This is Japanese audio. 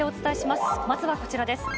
まずはこちらです。